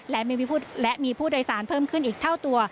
และมีผู้โดยสารเพิ่มขึ้นอีกเท่าตัว